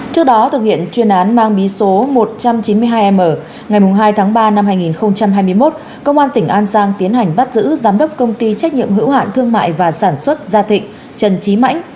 trước đó thực hiện chuyên án mang bí số một trăm chín mươi hai m ngày hai tháng ba năm hai nghìn hai mươi một công an tỉnh an giang tiến hành bắt giữ giám đốc công ty trách nhiệm hữu hạn thương mại và sản xuất gia thịnh trần trí mãnh